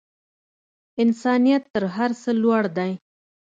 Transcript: انسانیت تر هر څه لوړ دی.